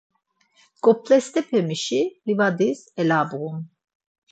Ǩop̌lestepe mişi livadis elabğun?